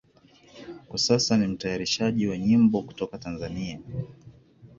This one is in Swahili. Kwa sasa ni mtayarishaji wa nyimbo kutoka Tanzania.